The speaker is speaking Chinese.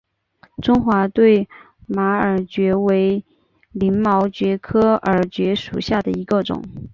中华对马耳蕨为鳞毛蕨科耳蕨属下的一个种。